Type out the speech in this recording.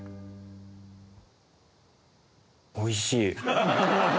おいしい。